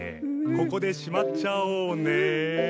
ここでしまっちゃおうね。